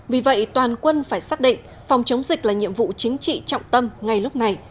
vì vậy toàn quân phải xác định phòng chống dịch là nhiệm vụ chính trị trọng tâm ngay lúc này